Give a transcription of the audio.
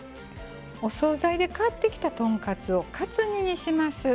お総菜で買ってきた豚カツをカツ煮にします。